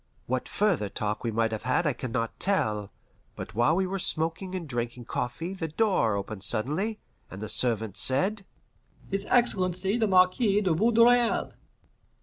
What further talk we might have had I can not tell, but while we were smoking and drinking coffee the door opened suddenly, and the servant said, "His Excellency the Marquis de Vaudreuil!"